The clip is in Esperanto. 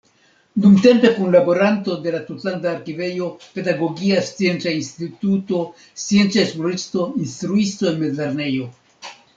Dumtempe kunlaboranto de la Tutlanda Arkivejo, Pedagogia Scienca Instituto, scienca esploristo, instruisto en mezlernejo.